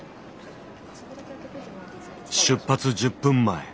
出発１０分前。